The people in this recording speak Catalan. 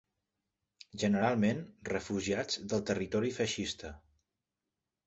Generalment refugiats del territori feixista